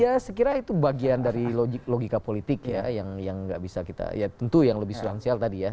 ya saya kira itu bagian dari logika politik ya yang nggak bisa kita ya tentu yang lebih sunansial tadi ya